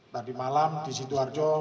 tadi malam di sidoarjo